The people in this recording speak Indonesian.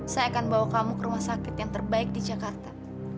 saya akan bawa kamu ke rumah sakit yang terbaik di jakarta